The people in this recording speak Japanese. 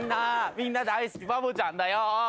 みんな大好きバボちゃんだよ。